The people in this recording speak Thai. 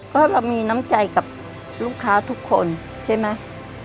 ก็เรามีน้ำใจกับลูกค้าทุกคนใช่ไหม